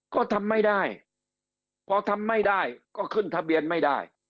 ก็ทำไม่ได้พอทำไม่ได้ก็ขึ้นทะเบียนไม่ได้